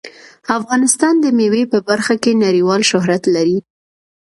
افغانستان د مېوې په برخه کې نړیوال شهرت لري.